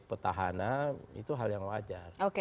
petahana itu hal yang wajar